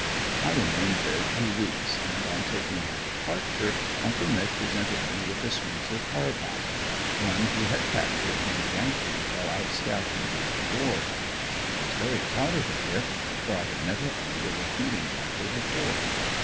I remained there two weeks and on taking my departure uncle "Nick" presented me with a Spencer Carbine one he had captured from a yankee while out scouting during the war. I was very proud of the gift for I had never owned a repeating rifle before.